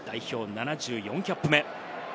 ７４キャップ目。